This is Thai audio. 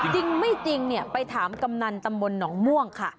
จริงไม่จริงเนี่ยไปถามกำนันตมนหนองม่วงค่ะ